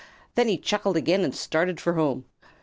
Then he chuckled again and started for home.